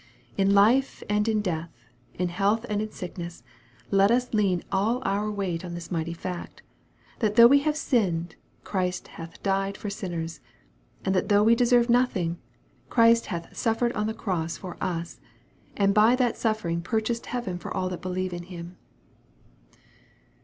In life and in death, in health and in sickness, let us lean all oui weight on this mighty fact 'that though we have sinned Christ hath died for sinners and that though we deserve nothing, Christ hath suffered on the cross for us, and by that suffering purchased heaven for all that believe in Him.